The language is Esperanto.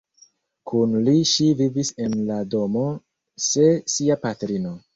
Kun li ŝi vivis en la domo se sia patrino.